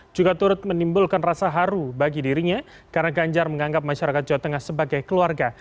juga turut menimbulkan rasa haru bagi dirinya karena ganjar menganggap masyarakat jawa tengah sebagai keluarga